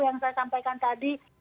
yang saya sampaikan tadi